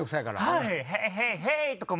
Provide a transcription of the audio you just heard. はい。